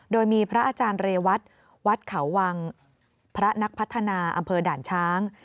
โดยมีพระอาจารย์เรวัตวัดเขาวังพระนักพัฒนาอำเภอด่านช้าง